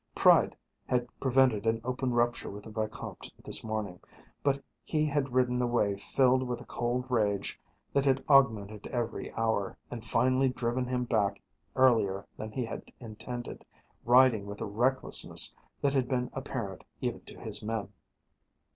Pride had prevented an open rupture with the Vicomte this morning, but he had ridden away filled with a cold rage that had augmented every hour and finally driven him back earlier than he had intended, riding with a recklessness that had been apparent even to his men.